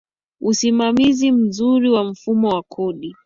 Usimamizi mzuri wa mfumo wa kodi